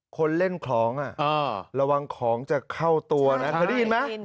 คนเล่นของระวังของจะเข้าตัวนะเคยได้ยินไหม